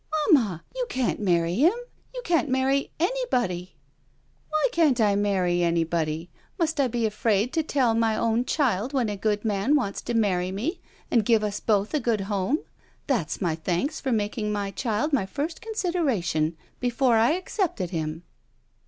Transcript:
"Mamma — you can't marry him. You can't marry — ^anybody." "Why can't I marry anybody? Must I be afraid to tell my own child when a good man wants to marry me and give us both a good home? That's my thanks for making my child my first con^dera tion — ^before I accepted him."